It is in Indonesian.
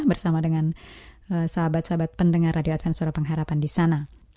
bersama dengan sahabat sahabat pendengar radio adventure pengharapan di sana